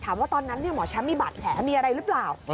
ตอนนั้นหมอแชมป์มีบาดแผลมีอะไรหรือเปล่า